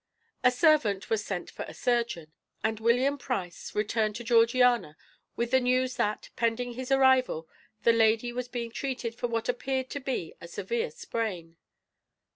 A servant was sent for a surgeon, and William Price returned to Georgiana with the news that, pending his arrival, the lady was being treated for what appeared to be a severe sprain.